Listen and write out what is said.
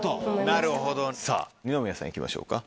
なるほどさぁ二宮さん行きましょうか。